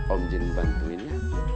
om gini bantuin ya